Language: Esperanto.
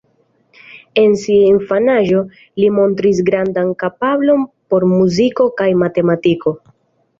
En sia infanaĝo, li montris grandan kapablon por muziko kaj matematiko.